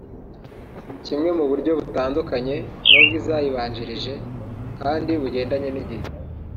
Ikinwe mu buryo butandukanye n’ubw’izayibanjirije kandi bugendanye n’igihe